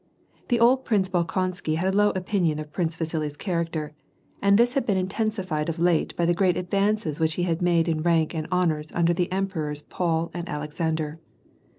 The old Prince Bolkonsky had a low opinion of Prince Vasili's character, and this had been intensified of late by the great advances which he had made in rank and honors under the Emperors Paul and Alexander.